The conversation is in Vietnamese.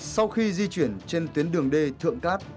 sau khi di chuyển trên tuyến đường d thượng cát